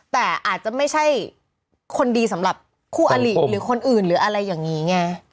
แต่อาจจะไม่ใช่คนดีสำหรับคู่อลิหรือคนอื่นหรืออะไรอย่างนี้ไง